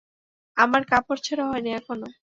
আমার কাপড় ছাড়া হয় নি এখনও।